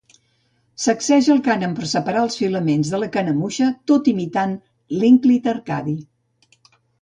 Sacseja el cànem per separar els filaments de la canemuixa tot imitant l'ínclit Arcadi.